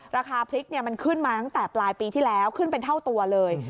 ราคาพริกมันขึ้นมาตั้งแต่ปลายปีที่แล้วขึ้นเป็นเท่าตัวเลย